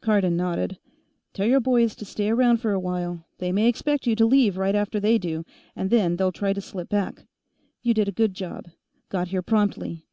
Cardon nodded. "Tell your boys to stay around for a while; they may expect you to leave right after they do, and then they'll try to slip back. You did a good job; got here promptly.